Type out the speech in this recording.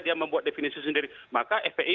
dia membuat definisi sendiri maka fpi